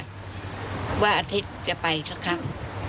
ว่าอาทิตย์จะไปสักครั้ง